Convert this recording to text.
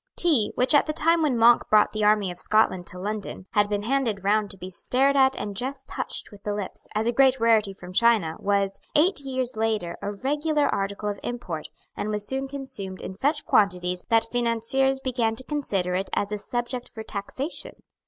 Tea, which, at the time when Monk brought the army of Scotland to London, had been handed round to be stared at and just touched with the lips, as a great rarity from China, was, eight years later, a regular article of import, and was soon consumed in such quantities that financiers began to consider it as a fit subject for taxation.